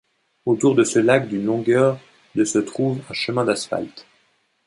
Autour de ce lac d'une longueur de se trouve un chemin d'asphalte.